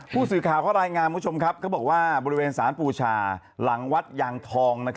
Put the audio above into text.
ผู้สื่อข่าวข้อรายงานเพราะดาวคำว่าบริเวณสานปูชาหลังวัดอยางทอง